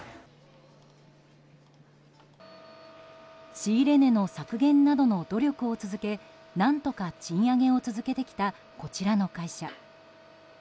仕入れ値の削減などの努力を続け何とか賃上げを続けてきたこちらの会社。